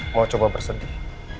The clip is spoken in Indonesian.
mau coba bersedih